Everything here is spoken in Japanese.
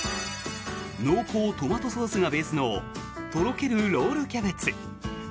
濃厚トマトソースがベースのとろけるロールキャベツ。